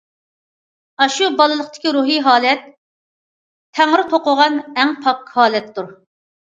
ئاشۇ بالىلىقتىكى روھى ھالەت تەڭرى« توقۇغان» ئەڭ پاك ھالەتتۇر.